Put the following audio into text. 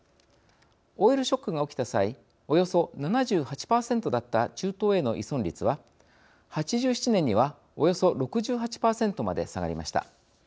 オイルショックが起きた際およそ７８％だった中東への依存率は８７年にはおよそ６８％まで下がりました。